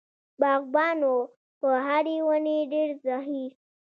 باغبان و په هرې ونې ډېر زهیر.